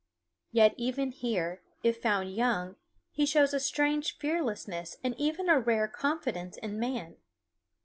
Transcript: Yet even here, if found young, he shows a strange fearlessness and even a rare confidence in man.